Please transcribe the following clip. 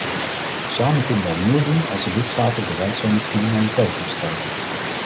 Samen kunnen wij meer doen als de lidstaten bereid zijn de criminaliteit te bestrijden.